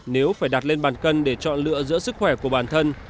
nếu phải đặt lên bàn cân để chọn lựa giữa sức khỏe của bản thân